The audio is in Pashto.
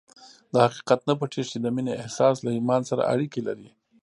دا حقیقت نه پټېږي چې د مینې احساس له ایمان سره اړیکې لري